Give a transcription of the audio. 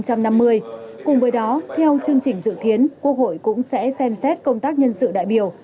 cùng với đó theo chương trình dự kiến quốc hội cũng sẽ xem xét công tác nhân sự đại biểu